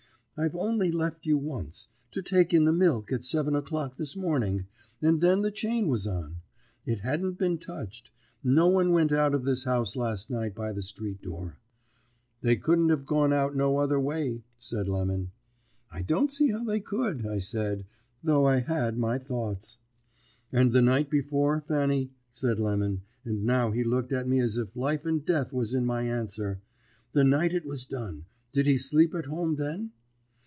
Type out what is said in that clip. I've only left you once to take in the milk at seven o'clock this morning, and then the chain was on; it hadn't been touched. No one went out of this house last night by the street door.' "'They couldn't have gone out no other way,' said Lemon. "'I don't see how they could,' I said, though I had my thoughts. "'And the night before, Fanny,' said Lemon, and now he looked at me as if life and death was in my answer, 'the night it was done, did he sleep at home then?'